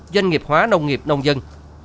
doanh nghiệp hóa nông nghiệp nông dân